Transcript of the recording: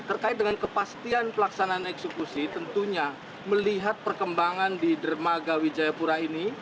terkait dengan kepastian pelaksanaan eksekusi tentunya melihat perkembangan di dermaga wijayapura ini